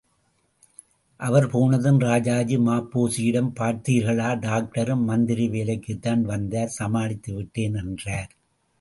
அவர் போனதும் ராஜாஜி, ம.பொ.சியிடம் பார்த்தீர்களா, டாக்டரும் மந்திரி வேலைக்குத்தான் வந்தார், சமாளித்துவிட்டேன் என்றார்.